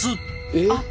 えっ！？